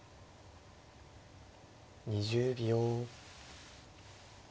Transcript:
２０秒。